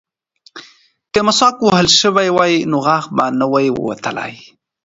که مسواک وهل شوی وای نو غاښ به نه ووتلی.